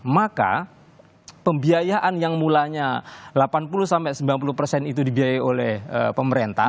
maka pembiayaan yang mulanya delapan puluh sampai sembilan puluh persen itu dibiayai oleh pemerintah